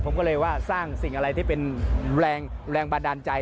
ผมก็เลยว่าสร้างสิ่งอะไรที่เป็นแรงบันดาลใจ